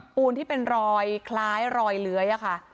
ปูนที่เป็นรอยคล้ายรอยเลื้อยค่ะ